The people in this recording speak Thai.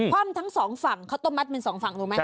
ว่ำทั้งสองฝั่งข้าวต้มมัดเป็นสองฝั่งรู้ไหม